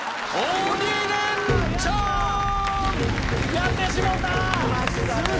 やってしもうた！